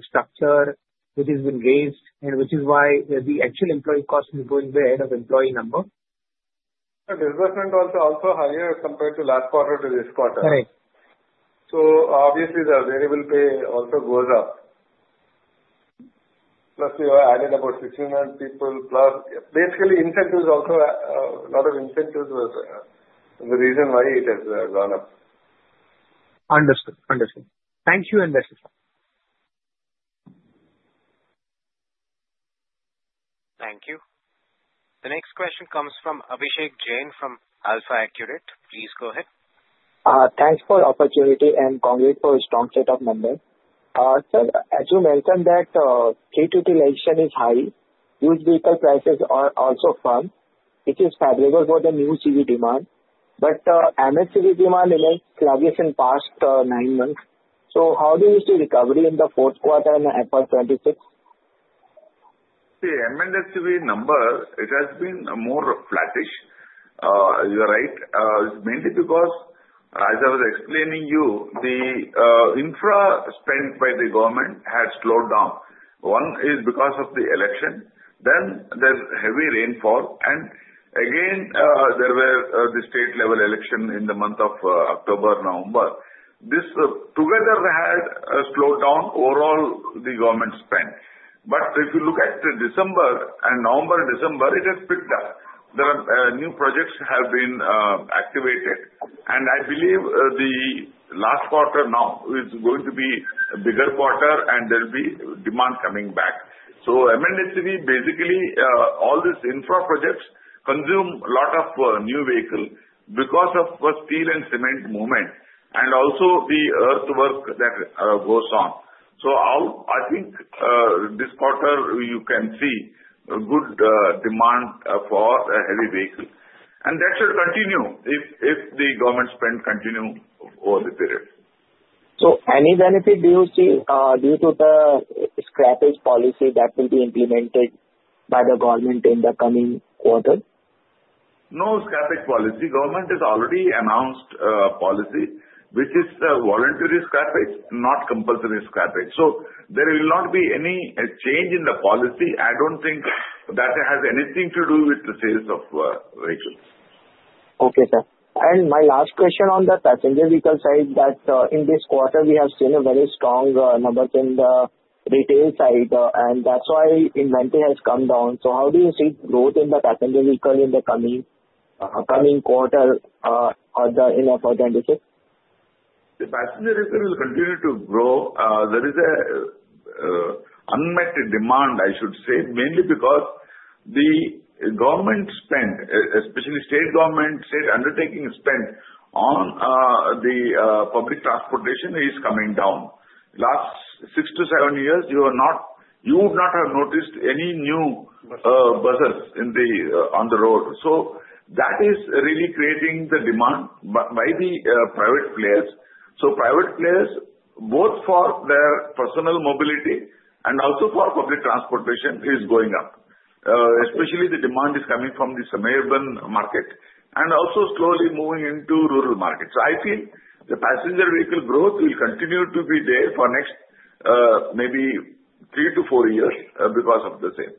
structure which has been raised and which is why the actual employee cost is going behind of employee number? So, disbursement also higher compared to last quarter to this quarter. Correct. So obviously, the variable pay also goes up. Plus, we have added about 1,500 people. Basically, incentives also, a lot of incentives was the reason why it has gone up. Understood. Understood. Thank you, and best wishes. Thank you. The next question comes from Abhishek Jain from AlfAccurate Advisors. Please go ahead. Thanks for the opportunity and congrats for a strong set of numbers. Sir, as you mentioned that kharif expectation is high. Used vehicle prices are also firm. It is favorable for the new CV demand. But M&HCV demand remains sluggish in past nine months. So how do you see recovery in the fourth quarter and FY26? See, M&HCV number, it has been more flatish. You're right. It's mainly because, as I was explaining you, the infra spend by the government had slowed down. One is because of the elections. Then there's heavy rainfall. And again, there were the state-level elections in the month of October, November. This together had slowed down overall the government spend. But if you look at December and November, December, it has picked up. There are new projects that have been activated. And I believe the last quarter now is going to be a bigger quarter, and there will be demand coming back. So M&HCV, basically, all these infra projects consume a lot of new vehicles because of steel and cement movement and also the earthwork that goes on. So I think this quarter, you can see good demand for heavy vehicles. That should continue if the government spending continues over the period. So any benefit do you see due to the scrappage policy that will be implemented by the government in the coming quarter? No scrappage policy. Government has already announced a policy which is voluntary scrappage, not compulsory scrappage. So there will not be any change in the policy. I don't think that has anything to do with the sales of vehicles. Okay, sir, and my last question on the passenger vehicle side that in this quarter, we have seen a very strong number in the retail side, and that's why inventory has come down, so how do you see growth in the passenger vehicle in the coming quarter or the year 2026? The passenger vehicle will continue to grow. There is an unmet demand, I should say, mainly because the government spending, especially state government, state undertaking spending on the public transportation is coming down. Last six to seven years, you would not have noticed any new buses on the road. So that is really creating the demand by the private players. So private players, both for their personal mobility and also for public transportation, is going up. Especially, the demand is coming from the suburban market and also slowly moving into rural markets. So I feel the passenger vehicle growth will continue to be there for next maybe three to four years because of the same.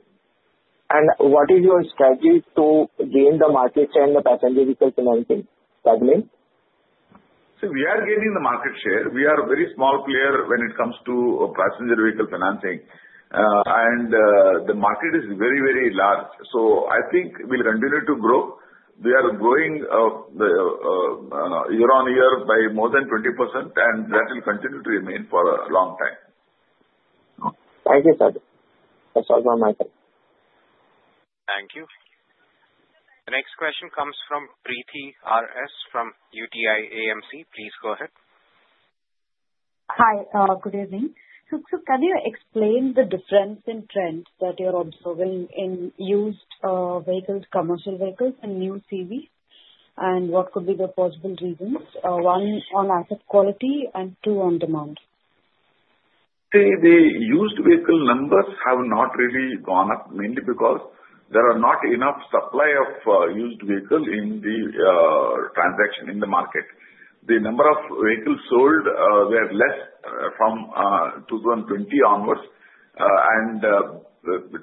What is your strategy to gain the market share in the passenger vehicle financing? Struggling? See, we are gaining the market share. We are a very small player when it comes to passenger vehicle financing. And the market is very, very large. So I think we'll continue to grow. We are growing year-on-year by more than 20%, and that will continue to remain for a long time. Thank you, sir. That's all from my side. Thank you. The next question comes from Preethi R.S. from UTI AMC. Please go ahead. Hi. Good evening. So can you explain the difference in trends that you're observing in used vehicles, commercial vehicles, and new CV, and what could be the possible reasons? One on asset quality and two on demand. See, the used vehicle numbers have not really gone up, mainly because there are not enough supply of used vehicles in the transaction in the market. The number of vehicles sold, they are less from 2020 onwards, and there is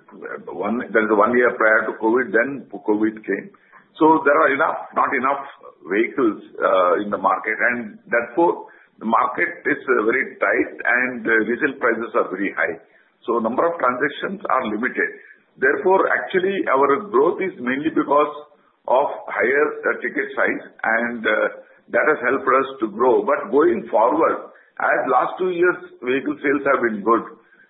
one year prior to COVID, then COVID came, so there are not enough vehicles in the market, and therefore, the market is very tight, and the diesel prices are very high, so number of transactions are limited. Therefore, actually, our growth is mainly because of higher ticket size, and that has helped us to grow, but going forward, as last two years, vehicle sales have been good,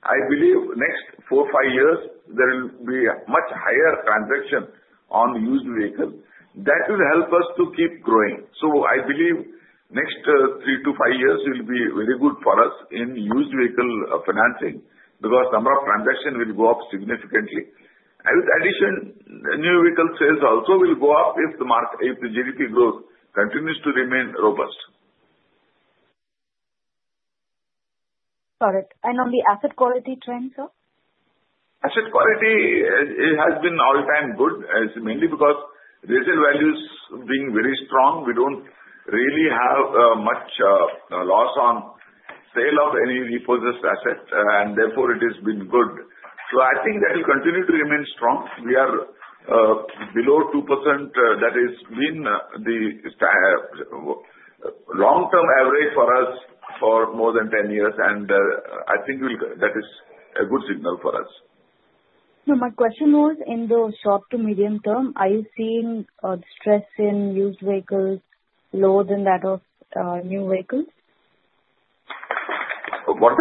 I believe next four, five years, there will be much higher transaction on used vehicles. That will help us to keep growing. So I believe next three to five years will be very good for us in used vehicle financing because number of transactions will go up significantly. And with addition, new vehicle sales also will go up if the GDP growth continues to remain robust. Got it. And on the asset quality trend, sir? Asset quality, it has been all-time good, mainly because diesel vehicles have been very strong. We don't really have much loss on sale of any depreciating asset, and therefore, it has been good. So I think that will continue to remain strong. We are below 2%. That has been the long-term average for us for more than 10 years, and I think that is a good signal for us. So my question was, in the short to medium term, are you seeing stress in used vehicles lower than that of new vehicles? What?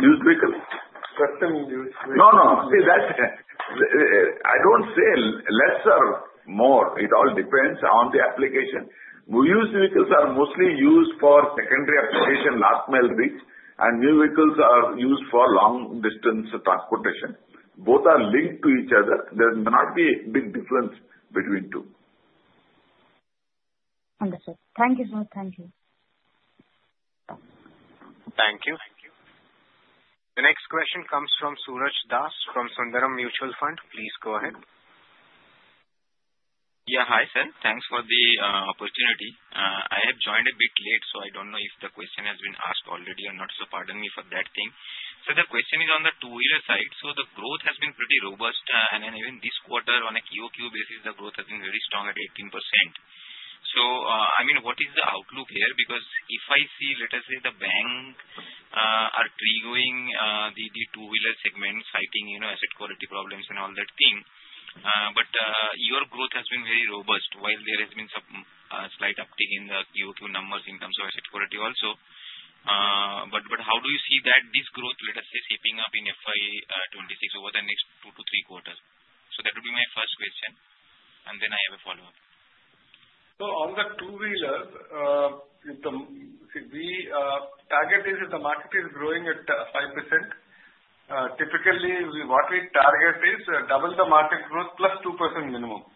Used vehicles? Trust in used vehicles. No, no. I don't say less or more. It all depends on the application. Used vehicles are mostly used for secondary application, last-mile reach, and new vehicles are used for long-distance transportation. Both are linked to each other. There may not be a big difference between two. Understood. Thank you, sir. Thank you. Thank you. The next question comes from Suraj Das from Sundaram Mutual Fund. Please go ahead. Yeah. Hi, sir. Thanks for the opportunity. I have joined a bit late, so I don't know if the question has been asked already or not, so pardon me for that thing. So the question is on the two-wheeler side. So the growth has been pretty robust, and then even this quarter, on a QOQ basis, the growth has been very strong at 18%. So I mean, what is the outlook here? Because if I see, let us say, the bank are triggering the two-wheeler segment, citing asset quality problems and all that thing. But your growth has been very robust, while there has been some slight uptick in the QOQ numbers in terms of asset quality also. But how do you see that this growth, let us say, shaping up in FY26 over the next two to three quarters? So that would be my first question, and then I have a follow-up. So on the two-wheeler, the target is if the market is growing at 5%. Typically, what we target is double the market growth plus 2% minimum.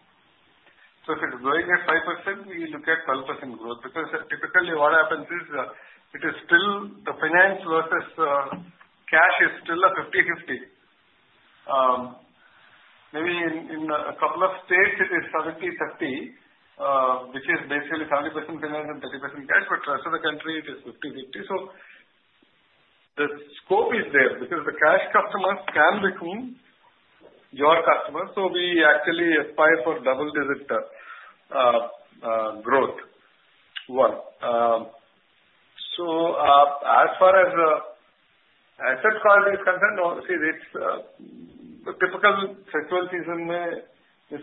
So if it's growing at 5%, we look at 12% growth. Because typically, what happens is it is still the finance versus cash is still a 50-50. Maybe in a couple of states, it is 70-30, which is basically 70% finance and 30% cash, but the rest of the country, it is 50-50. So the scope is there because the cash customers can become your customers. So we actually aspire for double-digit growth. One. So as far as asset quality is concerned, no. See, it's typical fiscal season where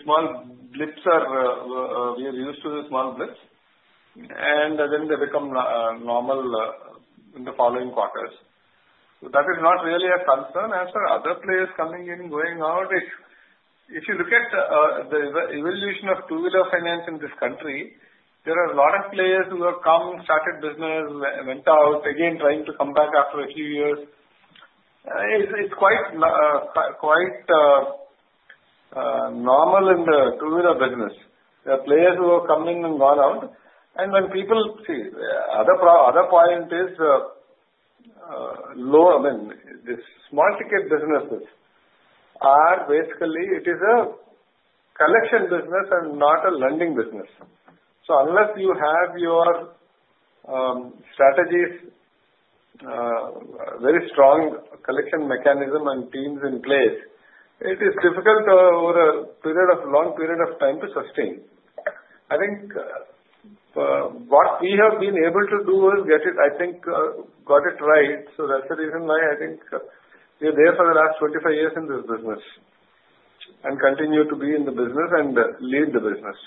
small blips are we are used to the small blips, and then they become normal in the following quarters. So that is not really a concern. As for other players coming in and going out, if you look at the evolution of two-wheeler finance in this country, there are a lot of players who have come and started business, went out, again trying to come back after a few years. It's quite normal in the two-wheeler business. There are players who have come in and gone out, and then people see, other point is low I mean, the small-ticket businesses are basically it is a collection business and not a lending business. So unless you have your strategies, very strong collection mechanism and teams in place, it is difficult over a long period of time to sustain. I think what we have been able to do is get it, I think, got it right. So that's the reason why I think we're there for the last 25 years in this business and continue to be in the business and lead the business.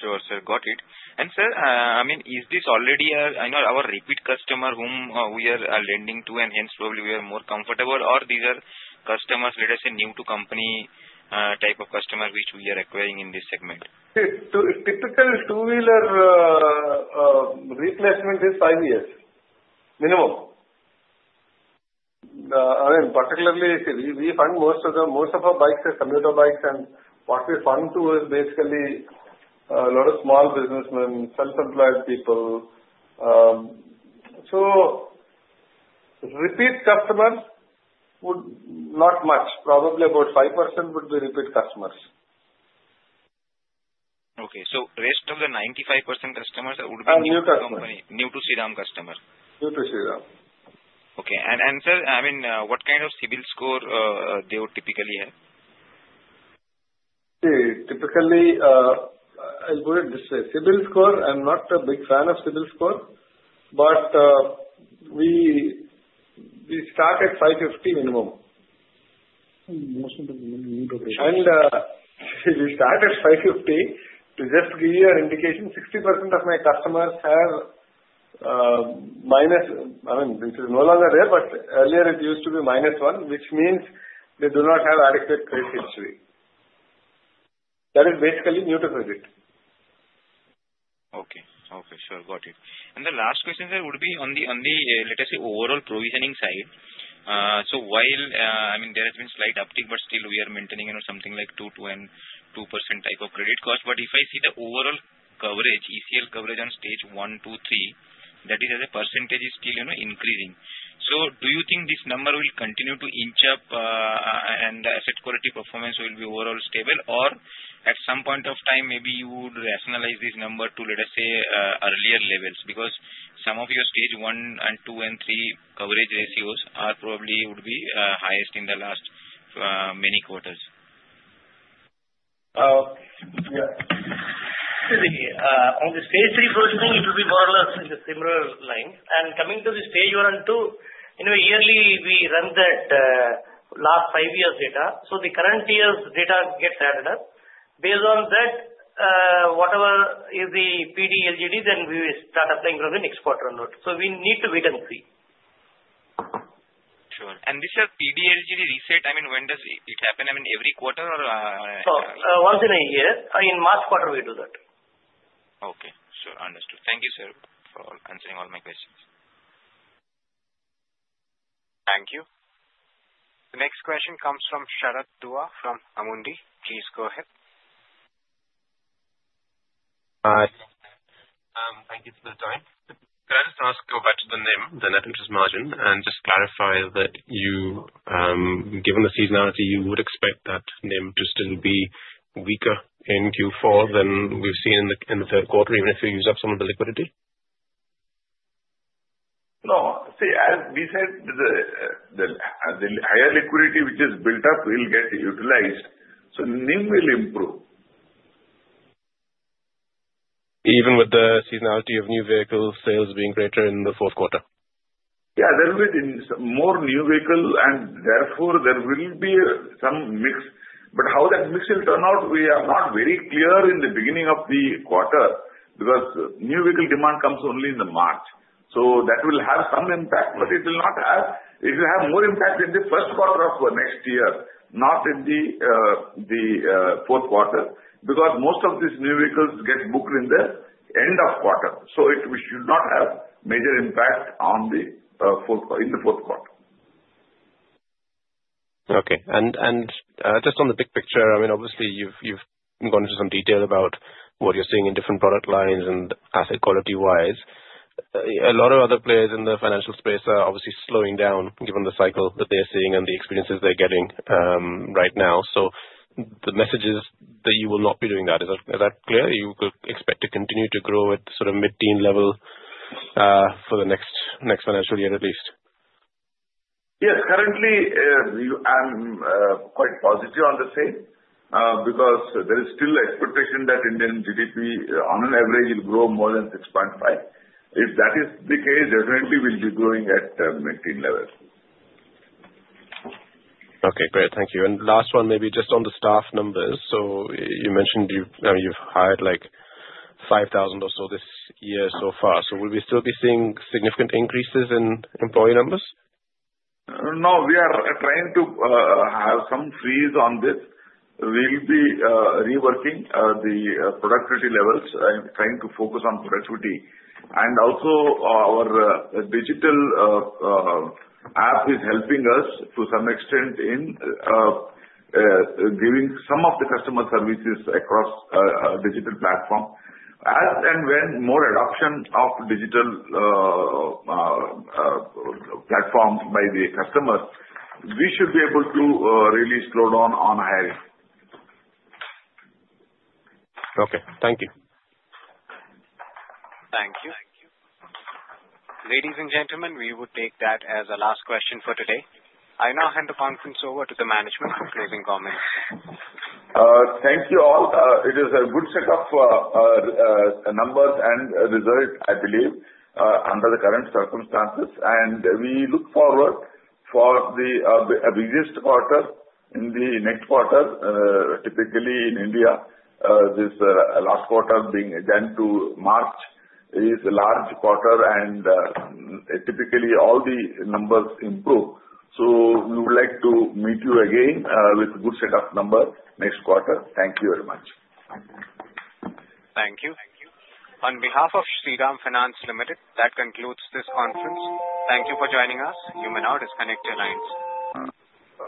Sure, sir. Got it. And sir, I mean, is this already a, I know, our repeat customer whom we are lending to, and hence probably we are more comfortable, or these are customers, let us say, new-to-company type of customers which we are acquiring in this segment? See, typical two-wheeler replacement is five years minimum. I mean, particularly, see, we fund most of our bikes are commuter bikes, and what we fund to is basically a lot of small businessmen, self-employed people. So repeat customers would not much. Probably about 5% would be repeat customers. Okay, so rest of the 95% customers would be new-to-company. And new customers. New-to-Shriram customers. New-to-Shriram. Okay. And sir, I mean, what kind of CIBIL score they would typically have? See, typically, I wouldn't say CIBIL score. I'm not a big fan of CIBIL score, but we start at 550 minimum, and we start at 550. To just give you an indication, 60% of my customers have minus I mean, which is no longer there, but earlier it used to be minus one, which means they do not have adequate credit history. That is basically new-to-credit. Okay. Okay. Sure. Got it. And the last question, sir, would be on the, let us say, overall provisioning side. So while, I mean, there has been slight uptick, but still we are maintaining something like 2% type of credit cost. But if I see the overall coverage, ECL coverage on stage one, two, three, that is, the percentage is still increasing. So do you think this number will continue to inch up, and the asset quality performance will be overall stable, or at some point of time, maybe you would rationalize this number to, let us say, earlier levels? Because some of your stage one and two and three coverage ratios are probably would be highest in the last many quarters. Yeah. See, on the stage three, first thing, it will be more or less in the similar line. And coming to the stage one and two, yearly we run that last five years' data. So the current year's data gets added up. Based on that, whatever is the PD LGD, then we start applying from the next quarter onward. So we need to wait and see. Sure. This PD LGD reset, I mean, when does it happen? I mean, every quarter or? Once in a year. In March quarter, we do that. Okay. Sure. Understood. Thank you, sir, for answering all my questions. Thank you. The next question comes from Sharat Dua from Amundi. Please go ahead. Hi. Thank you for the time. Can I just ask to go back to the NIM, the net interest margin, and just clarify that given the seasonality, you would expect that NIM to still be weaker in Q4 than we've seen in the third quarter, even if we use up some of the liquidity? No. See, as we said, the higher liquidity which is built up will get utilized. So NIM will improve. Even with the seasonality of new vehicle sales being greater in the fourth quarter? Yeah. There will be more new vehicles, and therefore, there will be some mix. But how that mix will turn out, we are not very clear in the beginning of the quarter because new vehicle demand comes only in March. So that will have some impact, but it will have more impact in the first quarter of next year, not in the fourth quarter because most of these new vehicles get booked in the end of quarter. So it should not have major impact in the fourth quarter. Okay. And just on the big picture, I mean, obviously, you've gone into some detail about what you're seeing in different product lines and asset quality-wise. A lot of other players in the financial space are obviously slowing down given the cycle that they're seeing and the experiences they're getting right now. So the message is that you will not be doing that. Is that clear? You could expect to continue to grow at sort of mid-teen level for the next financial year at least? Yes. Currently, I'm quite positive on the same because there is still expectation that Indian GDP on an average will grow more than 6.5. If that is the case, definitely we'll be growing at mid-teen level. Okay. Great. Thank you. And the last one, maybe just on the staff numbers. So you mentioned you've hired like 5,000 or so this year so far. So will we still be seeing significant increases in employee numbers? No. We are trying to have some freeze on this. We'll be reworking the productivity levels. I'm trying to focus on productivity. And also, our digital app is helping us to some extent in giving some of the customer services across a digital platform. As and when more adoption of digital platforms by the customers, we should be able to really slow down on hiring. Okay. Thank you. Thank you. Ladies and gentlemen, we would take that as a last question for today. I now hand the conference over to the management for closing comments. Thank you all. It is a good set of numbers and results, I believe, under the current circumstances, and we look forward for the biggest quarter in the next quarter, typically in India. This last quarter being again to March is a large quarter, and typically, all the numbers improve, so we would like to meet you again with a good set of numbers next quarter. Thank you very much. Thank you. On behalf of Shriram Finance Limited, that concludes this conference. Thank you for joining us. You may now disconnect your lines.